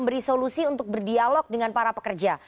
disolusi untuk berdialog dengan para pekerja